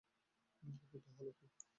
কিন্তু, হল কী?